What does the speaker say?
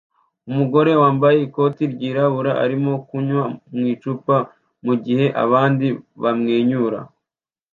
umugore wambaye ikoti ryirabura arimo kunywa mu icupa mugihe abandi bamwenyura